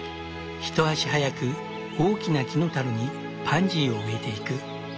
一足早く大きな木のたるにパンジーを植えていく。